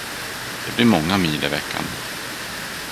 Det blir många mil i veckan.